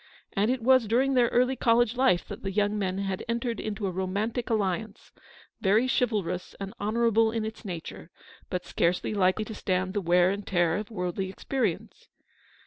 And it was during their early college life that the young men had entered into a romantic alliance, very chivalrous and honourable in its nature, but scarcely likely to stand the wear and tear of worldly experience.